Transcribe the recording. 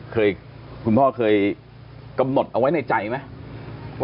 คุณพ่อเคยกำหนดเอาไว้ในใจไหม